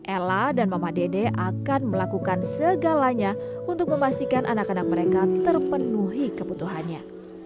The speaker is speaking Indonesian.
ella dan mama dede akan melakukan segalanya untuk memastikan anak anak mereka terpenuhi kebutuhannya